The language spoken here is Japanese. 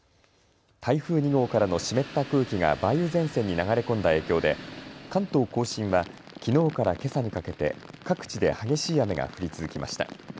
台風２号からの湿った空気が梅雨前線に流れ込んだ影響で関東甲信はきのうからけさにかけて各地で激しい雨が降り続きました。